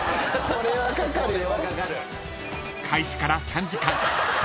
これはかかるよ。